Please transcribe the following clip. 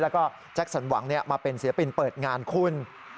แล้วก็แจ็คสันหวังมาเป็นศิลปินเปิดงานคุณ